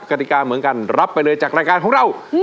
กฎิกาเหมือนกันรับไปเลยจากรายการของเรา